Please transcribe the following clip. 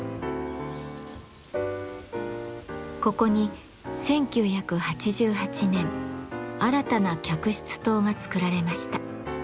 ここに１９８８年新たな客室棟がつくられました。